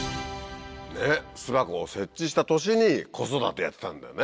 巣箱を設置した年に子育てやってたんだよね？